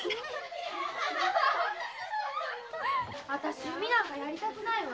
私弓なんかやりたくないわ。